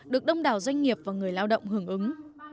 được đông đảo doanh nghiệp và người lao động hưởng ứng